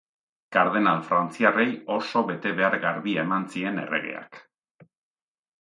Kardenal frantziarrei oso betebehar garbia eman zien erregeak.